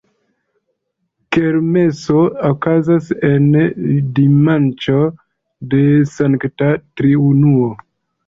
Kermeso okazas en dimanĉo de Sankta Triunuo.